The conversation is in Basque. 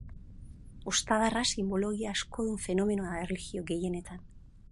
Ostadarrak sinbologia askodun fenomenoa da erlijio gehienetan.